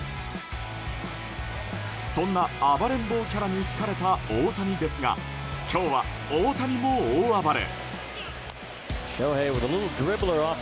そんな暴れん坊キャラに好かれた大谷ですが今日は、大谷も大暴れ。